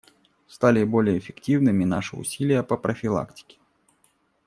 Стали более эффективными наши усилия по профилактике.